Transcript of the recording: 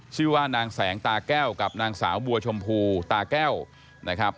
ชื่อว่านางแสงตาแก้วกับนางสาวบัวชมพูตาแก้วนะครับ